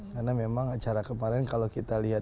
karena memang acara kemarin kalau kita lihat